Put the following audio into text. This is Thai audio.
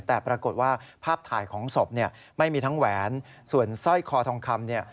แต่ปรากฏว่าภาพถ่ายของศพเนี่ยไม่มีทั้งแหวนส่วนสร้อยคอทองคำเนี่ย